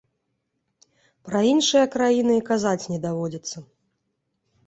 Пра іншыя краіны і казаць не даводзіцца.